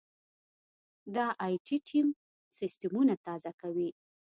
دا ائ ټي ټیم سیستمونه تازه کوي.